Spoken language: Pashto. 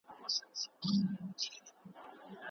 افغانستان د خپلو پولو د ناقانونه کارونې اجازه نه ورکوي.